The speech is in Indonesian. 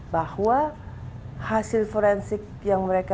bahwa hasil forensik yang mereka